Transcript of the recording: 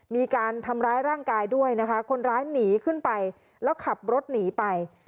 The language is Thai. มีการทำร้ายร่างกายด้วยนะคะคนร้ายหนีขึ้นไปแล้วขับรถหนีไป